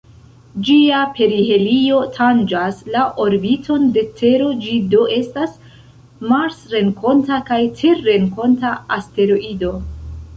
Ĝia perihelio tanĝas la orbiton de Tero, ĝi do estas marsrenkonta kaj terrenkonta asteroido.